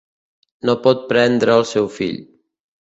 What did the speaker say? No pot prendre el seu fill.